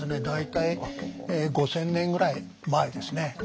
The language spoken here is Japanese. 大体５０００年ぐらい前ですね。